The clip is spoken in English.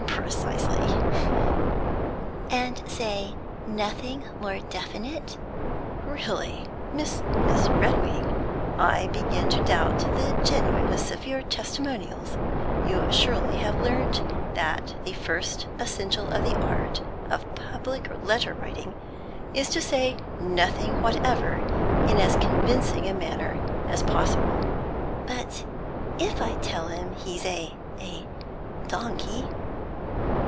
'Precisely.' 'And say nothing more definite?' 'Really Miss Miss Redwing, I begin to doubt the genuineness of your testimonials. You surely have learnt that the first essential of the art of public letter writing is to say nothing whatever in as convincing a manner as possible.' 'But if I tell him he's a a donkey?'